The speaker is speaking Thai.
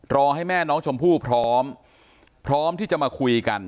รอให้แม่น้องชมพู่พร้อมพร้อมที่จะมาคุยกัน